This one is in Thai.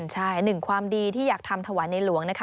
ใช่หนึ่งความดีที่อยากทำถวายในหลวงนะคะ